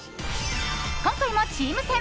今回もチーム戦。